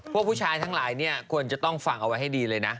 ผู้ชายทั้งหลายเนี่ยควรจะต้องฟังเอาไว้ให้ดีเลยนะ